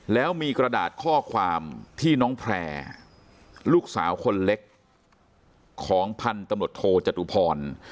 แล้วมีกระดาษข้อความที่น้องแพร่ลูกสาวคนเล็กของพันธุ์ตำรวจโทจตุพร